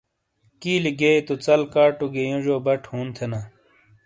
کیلیئے گیئے تو ژل کاٹو گی یونجیو بٹ ہُون تھینا۔